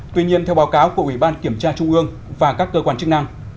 tuy nhiên theo báo cáo của ủy ban kiểm tra trung ương và các cơ quan chức năng